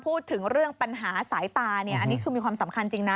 พูดถึงเรื่องปัญหาสายตาเนี่ยอันนี้คือมีความสำคัญจริงนะ